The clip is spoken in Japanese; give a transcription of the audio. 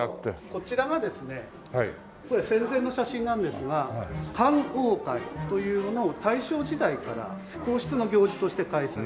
こちらがですね戦前の写真なんですが観桜会というものを大正時代から皇室の行事として開催して。